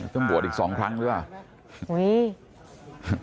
ต้องบวชอีก๒ครั้งด้วยหรือว่ะ